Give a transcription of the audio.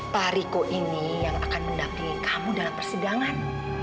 pak riko ini yang akan mendapingi kamu dalam persidangan